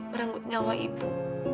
merenggut nyawa ibu